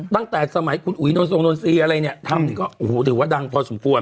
ตั้งแต่สมัยคุณอุ๋ยนนทรงนนทรีย์อะไรเนี่ยทำนี่ก็โอ้โหถือว่าดังพอสมควร